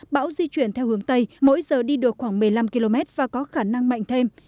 bão di chuyển theo hướng tây mỗi giờ đi được khoảng một mươi năm km và có khả năng mạnh thêm